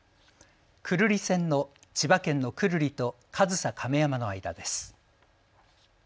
久留里線の千葉県の久留里と上総亀山の間です。